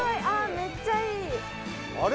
めっちゃいい！あれ？